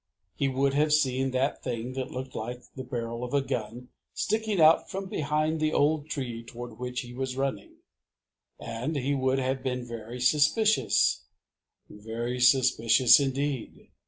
He would have seen that thing that looked like the barrel of a gun sticking out from behind the old tree toward which he was running, and he would have been very suspicious, very suspicious indeed.